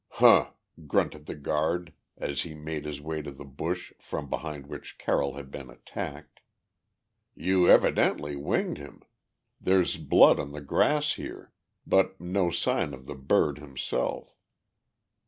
"Huh!" grunted the guard, as he made his way to the bush from behind which Carroll had been attacked. "You evidently winged him. There's blood on the grass here, but no sign of the bird himself.